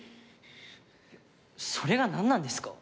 それがなんなんですか？